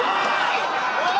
おい！